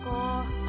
あ？